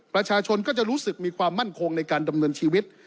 ประชาชนก็จะรู้สึกมีความมั่นคงในการดำเนินชีวิต